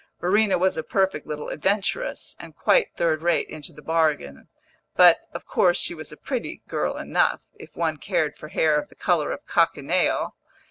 Verena was a perfect little adventuress, and quite third rate into the bargain; but, of course, she was a pretty girl enough, if one cared for hair of the colour of cochineal.